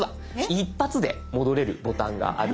一発で戻れるボタンがあります。